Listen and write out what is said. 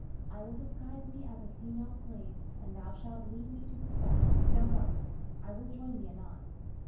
I will disguise me as a female slave, and thou shalt lead me to the cell. Now go; I will join thee anon.